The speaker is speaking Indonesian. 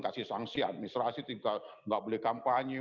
kasih sanksi administrasi tidak beli kampanye